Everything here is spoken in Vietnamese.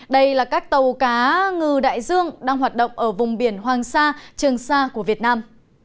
đây là các tàu cá ngư đại dương đang hoạt động ở vùng biển hoàng sa trường sa của việt nam